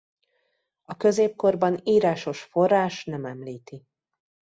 A középkorban írásos forrás nem említi.